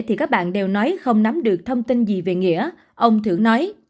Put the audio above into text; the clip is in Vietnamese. thì các bạn đều nói không nắm được thông tin gì về nghĩa ông thưởng nói